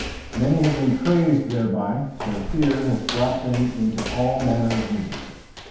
Many have been crazed thereby; their fear has brought them into all manner of misery.